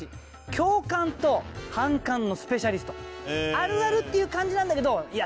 あるあるっていう感じなんだけどいや